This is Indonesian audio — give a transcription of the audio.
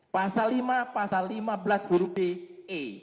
pasal lima pasal lima belas huruf d e